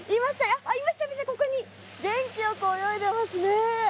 元気よく泳いでますね。